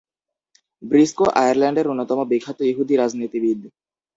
Briscoe আয়ারল্যান্ডের অন্যতম বিখ্যাত ইহুদি রাজনীতিবিদ।